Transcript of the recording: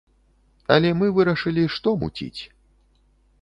Але мы вырашылі, што муціць?